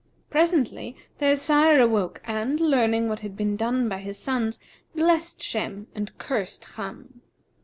Presently, their sire awoke and learning, what had been done by his sons, blessed Shem and cursed Cham.